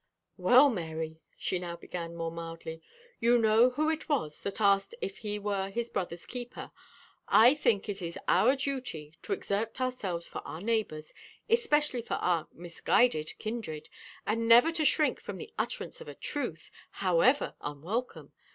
"Well, Mary," she now began more mildly, "you know who it was that asked if he were his brother's keeper. I think it is our duty to exert ourselves for our neighbors, especially for our misguided kindred, and never to shrink from the utterance of a truth, however unwelcome.